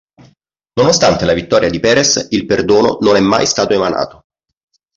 Nonostante la vittoria di Peres il perdono non è mai stato emanato.